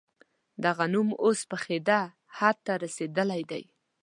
دغه نوم اوس پخېدو حد ته رسېدلی دی.